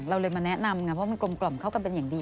เราเลยมาแนะนำไงเพราะมันกลมเข้ากันเป็นอย่างดี